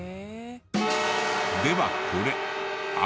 ではこれ。